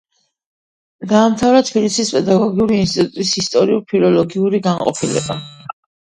დაამთავრა თბილისის პედაგოგიური ინსტიტუტის ისტორიულ-ფილოლოგიური განყოფილება.